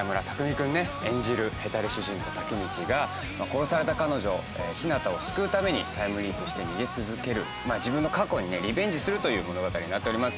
君ね演じるヘタレ主人公タケミチが殺された彼女日向を救うためにタイムリープして逃げ続ける自分の過去にねリベンジするという物語になっております。